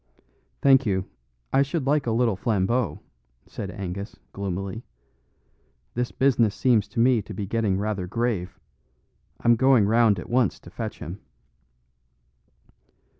"Thank you; I should like a little Flambeau," said Angus, gloomily. "This business seems to me to be getting rather grave. I'm going round at once to fetch him."